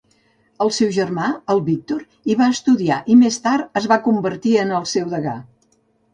El seu germà, el Victor, hi va estudiar i, més tard, es va convertir en el seu degà.